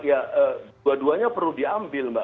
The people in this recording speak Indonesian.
ya dua duanya perlu diambil mbak